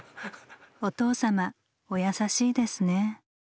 お父様お優しいですね。